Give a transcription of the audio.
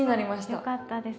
よかったです。